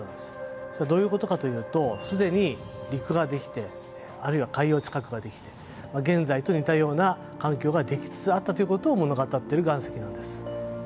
それどういうことかというとすでに陸ができてあるいは海洋地殻ができて現在と似たような環境ができつつあったということを物語っている岩石なんです。